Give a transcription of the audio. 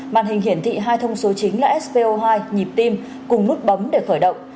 màn hình hiển thị hai thông số chính là spo hai nhịp tim cùng nút bấm để khởi động